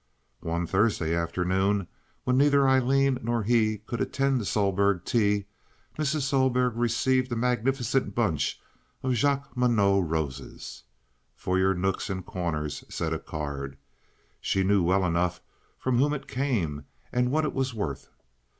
One Thursday afternoon, when neither Aileen nor he could attend the Sohlberg tea, Mrs. Sohlberg received a magnificent bunch of Jacqueminot roses. "For your nooks and corners," said a card. She knew well enough from whom it came and what it was worth.